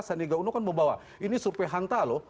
saniga uno kan membawa ini surpe hanta loh